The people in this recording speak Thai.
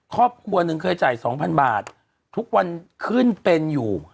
ครอบครัวหนึ่งเคยจ่าย๒๐๐บาททุกวันขึ้นเป็นอยู่